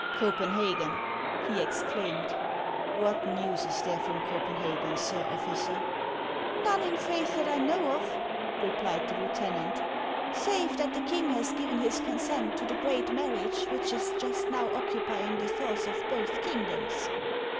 " Copenhagen !" he exclaimed. " What news is there from Copenhagen, sir officer ?"" Xone, i' faith, that I know of," replied the lieutenant, "save that the king has given his consent to the great marriage which is just now occupying the thoughts of both kingdoms."